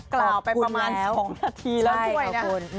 กล่าวไปประมาณ๒นาทีแล้ว